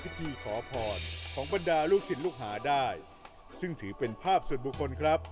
พิธีขอพรของบรรดาลูกศิษย์ลูกหาได้ซึ่งถือเป็นภาพส่วนบุคคลครับ